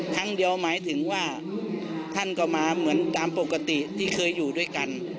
ครั้งเดียวหมายถึงว่าท่านก็มาเหมือนตามปกติที่เคยอยู่ด้วยกัน